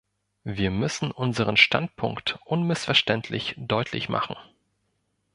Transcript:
Wir müssen unseren Standpunkt unmissverständlich deutlich machen.